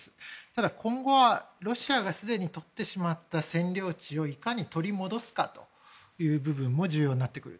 ただ、今後はロシアがすでに取ってしまった占領地をいかに取り戻すかという部分も重要になってくる。